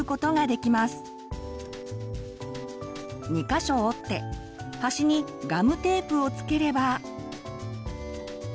２か所折って端にガムテープを付ければ。